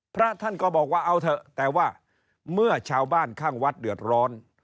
พระท่านก็บอกว่าเอาเถอะแต่ว่าเมื่อชาวบ้านข้างวัดเดือดร้อน